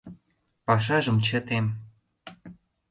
Пашажым чытем.